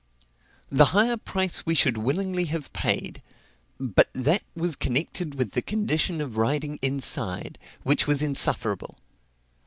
The higher price we should willingly have paid, but that was connected with the condition of riding inside, which was insufferable.